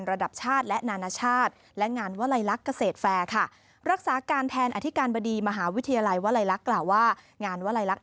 ระดับชาติและนานาชาติและงานวลัยลักษณ์เกษตรแฟร์ค่ะรักษาการแทนอธิการบดีมหาวิทยาลัยวลัยลักษณ์กล่าวว่างานวลัยลักษณ์